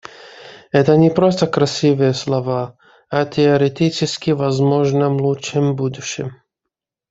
Это не просто красивые слова о теоретически возможном лучшем будущем.